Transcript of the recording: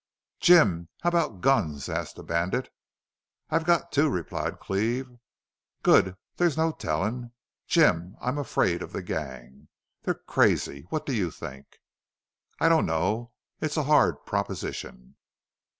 "Jim, how about guns?" asked the bandit. "I've got two," replied Cleve. "Good! There's no telling Jim, I'm afraid of the gang. They're crazy. What do you think?" "I don't know. It's a hard proposition."